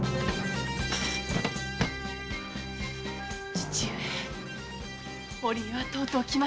父上織江はとうとう来ましたよ。